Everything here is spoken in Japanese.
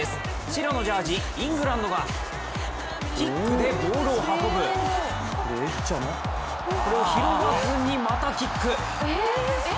白のジャージ、イングランドがキックでボールを運ぶこれを拾わずに、またキック。